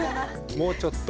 「もうちょっと」？